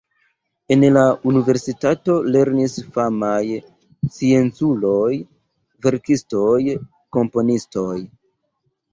En la universitato lernis famaj scienculoj, verkistoj, komponistoj.